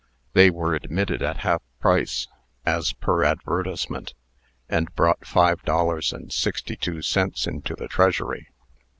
They were admitted at half price (as per advertisement), and brought five dollars and sixty two cents into the treasury.